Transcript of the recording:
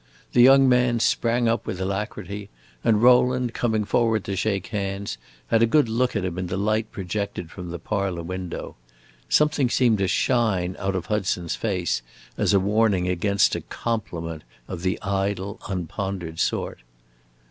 The young man sprang up with alacrity, and Rowland, coming forward to shake hands, had a good look at him in the light projected from the parlor window. Something seemed to shine out of Hudson's face as a warning against a "compliment" of the idle, unpondered sort.